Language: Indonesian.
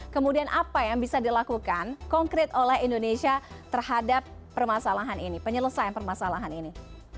kemudian apa yang bisa dilakukan konkret oleh indonesia terhadap permasalahan ini penyelesaian permasalahan ini